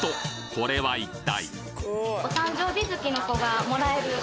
これは一体？